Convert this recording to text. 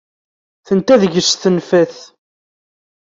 Tenta deg-s tenfa-t.